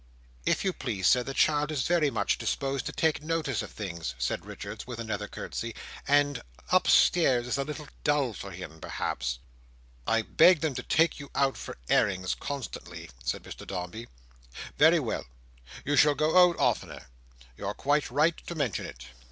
"If you please, Sir, the child is very much disposed to take notice of things," said Richards, with another curtsey, "and—upstairs is a little dull for him, perhaps, Sir." "I begged them to take you out for airings, constantly," said Mr Dombey. "Very well! You shall go out oftener. You're quite right to mention it."